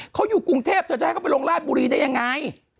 เขาอยู่กรุงเทพเธอจะให้เขาไปลงราชบุรีได้ยังไง